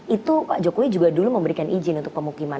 itu pak jokowi juga dulu memberikan izin untuk pemukiman